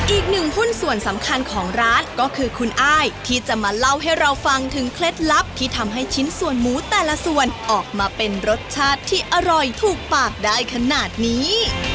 อีกหนึ่งหุ้นส่วนสำคัญของร้านก็คือคุณอ้ายที่จะมาเล่าให้เราฟังถึงเคล็ดลับที่ทำให้ชิ้นส่วนหมูแต่ละส่วนออกมาเป็นรสชาติที่อร่อยถูกปากได้ขนาดนี้